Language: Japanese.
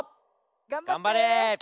がんばれ！